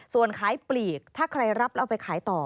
ส่วนขายปลีกถ้าใครรับแล้วเอาไปขายต่อ